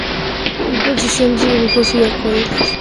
Exposición de Dibujos y Acuarelas"".